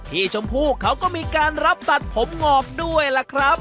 ชมพู่เขาก็มีการรับตัดผมงอกด้วยล่ะครับ